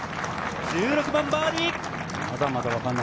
１６番、バーディー。